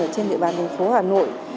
trên địa bàn đồng phố hà nội